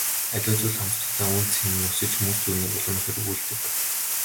Аливаа зүйл хомсдохдоо үнэ цэн нь өсөж хүмүүс түүнийг улам ихээр үгүйлдэг.